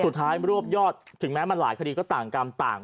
ตำรวจรวบยอดถึงแม้มันหลายคดีก็ต่างกรรมต่าง